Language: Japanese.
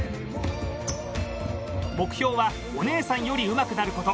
目標はお姉さんよりうまくなること。